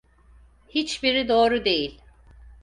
Hiçbiri doğru değil.